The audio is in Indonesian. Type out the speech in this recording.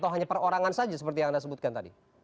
atau hanya perorangan saja seperti yang anda sebutkan tadi